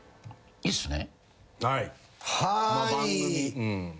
いいっすね？